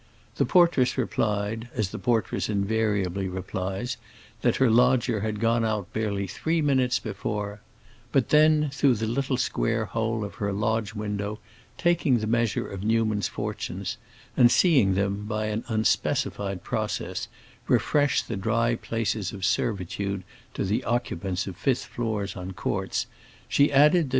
The portress replied, as the portress invariably replies, that her lodger had gone out barely three minutes before; but then, through the little square hole of her lodge window taking the measure of Newman's fortunes, and seeing them, by an unspecified process, refresh the dry places of servitude to occupants of fifth floors on courts, she added that M.